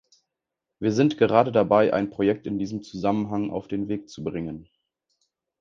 Wir sind gerade dabei, ein Projekt in diesem Zusammenhang auf den Weg zu bringen.